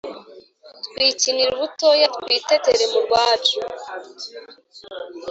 twikinira ubutoya twitetera mu rwacu